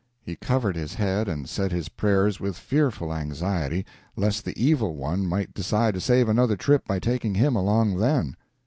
He covered his head and said his prayers with fearful anxiety lest the evil one might decide to save another trip by taking him along then.